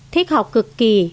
thích học cực kỳ